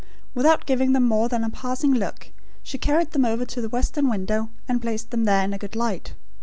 Without giving them more than a passing look, she carried them over to the western window, and placed them in a good light.